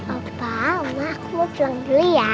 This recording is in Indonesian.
opa opo aku mau pulang dulu ya